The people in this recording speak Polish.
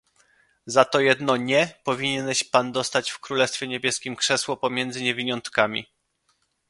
"Za to jedno: „nie“ powinieneś pan dostać w królestwie niebieskiem krzesło pomiędzy niewiniątkami."